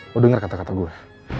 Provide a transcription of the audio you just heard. lo denger kata kata gue